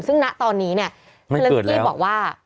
ซึ่งณตอนนี้โซเลนสกี้บอกว่า